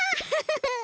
ハハハハ。